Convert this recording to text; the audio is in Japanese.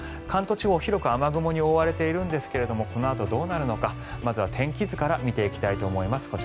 関東地方は広く雨雲に覆われているんですがこのあとどうなるのかまずは天気図から見ていきたいと思います。